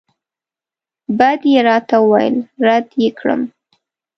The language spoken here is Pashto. بد یې راته وویل رد یې کړم.